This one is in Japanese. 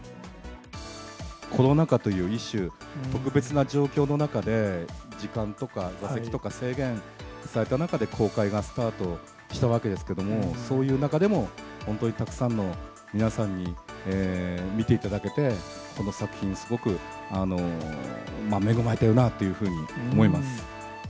コロナ禍という一種、特別な状況の中で、時間とか座席とか制限された中で、公開がスタートしたわけですけれども、そういう中でも、本当にたくさんの皆さんに見ていただけて、この作品、すごく恵まれてるなというふうに思います。